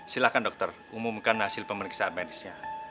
silahkan dokter umumkan hasil pemeriksaan medisnya